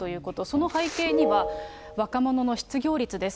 その背景には、若者の失業率です。